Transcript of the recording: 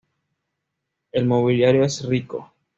El mobiliario es rico.